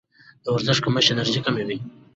د ورزش کمښت انرژي کموي.